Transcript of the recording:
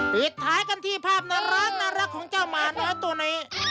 หิดท้ายกันที่ภาพนรักนรักของเจ้าหมาเนาะตัวนี้